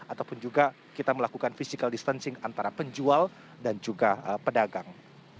ataupun juga kita melakukan physical distancing antara penjual dan juga pedagang